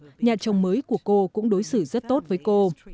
bởi dù sao nhà chồng mới của cô cũng đối xử rất tốt với cô